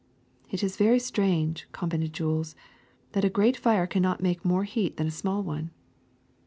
^^It is very strange," commented Jules, ^Hhat a great fire cannnot make more heat than a small one.